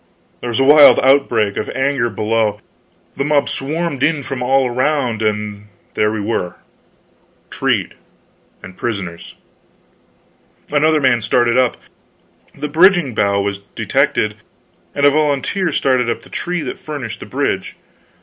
There was a wild outbreak of anger below, and the mob swarmed in from all around, and there we were treed, and prisoners. Another man started up; the bridging bough was detected, and a volunteer started up the tree that furnished the bridge.